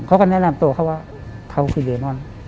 เขาก็แนะนำตัวเขาว่าเขาคือเดมอน